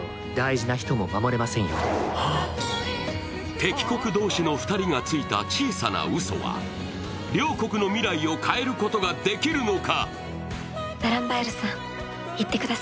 敵国同士の２人がついた小さなうそは、両国の未来を変えることができるのか。